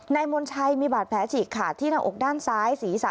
ในมลชัยมีบาดแผลฉีกค่ะที่ในอกด้านซ้ายศรีษะ